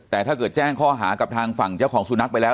แต่ถ้าเกิดแจ้งข้อหากับทางฝั่งเจ้าของสุนัขไปแล้ว